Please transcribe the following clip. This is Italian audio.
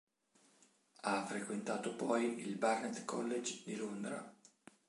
Ha frequentato poi il Barnet College di Londra.